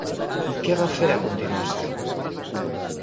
I què va fer a continuació?